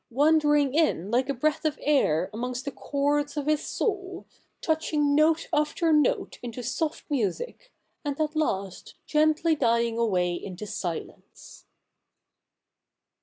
wanderincr in like a breath of air amons; st the chords of his soul, touching note after note into soft music, and at last gently dying away into silence.'